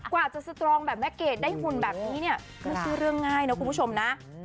กว่าจะสตรองแบบแม่เกดได้หุ่นแบบนี้เนี่ยไม่ใช่เรื่องง่ายนะคุณผู้ชมนะ